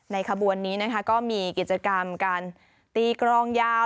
ขบวนนี้นะคะก็มีกิจกรรมการตีกรองยาว